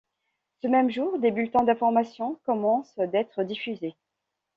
Ce même jour, des bulletins d'information commencent d'être diffusés.